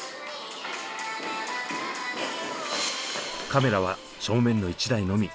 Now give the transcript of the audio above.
カメラは正面の１台のみ。